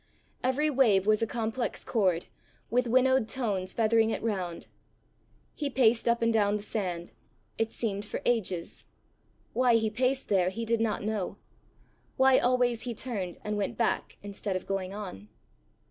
Every wave was a complex chord, with winnowed tones feathering it round. He paced up and down the sand it seemed for ages. Why he paced there he did not know why always he turned and went back instead of going on.